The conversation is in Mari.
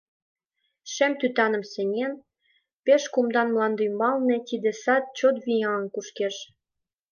Шем тӱтаным сеҥен, пеш кумда мландӱмбалне Тиде сад чот вияҥын кушкеш.